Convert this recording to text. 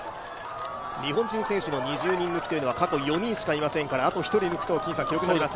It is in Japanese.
日本人選手の２０人抜きは過去に４人しかいませんからあと１人抜くと記録になります。